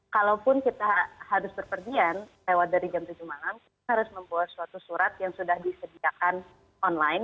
kalaupun kita harus berpergian lewat dari jam tujuh malam kita harus membuat suatu surat yang sudah disediakan online